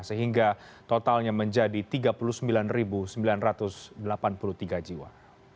sehingga totalnya menjadi tiga puluh sembilan sembilan ratus delapan puluh tiga jiwa